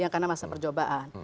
ya karena masa percobaan